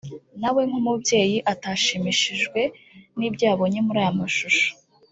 nawe nk’umubyeyi atashimishijwe n’ibyo yabonye muri aya mashusho